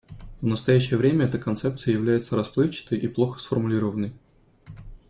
В настоящее время эта концепция является расплывчатой и плохо сформулированной.